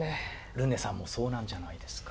ルネさんもそうなんじゃないですか？